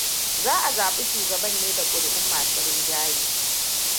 Za a zabi shugaban ne da kuri'un masu rinjaye.